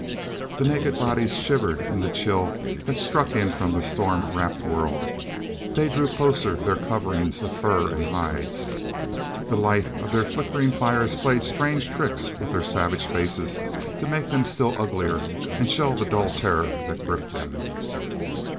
he naked bodies shivered in the chill that struck in from the storm wrapped world; they drew closer their coverings of fur and hides. The light of their flickering fires played strange tricks with their savage faces to make them still uglier and to show the dull terror that gripped them.